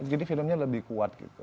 jadi filmnya lebih kuat gitu